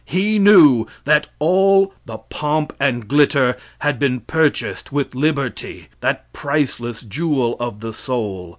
He knew that all the pomp and glitter had been purchased with liberty, that priceless jewel of the soul.